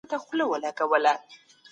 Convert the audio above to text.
که استدلال ازاد وي نو نوي فکرونه پيدا کېږي.